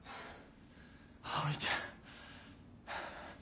葵ちゃん。